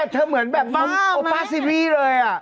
เธอเหมือนแบบฟ้าซีวีเลยอะ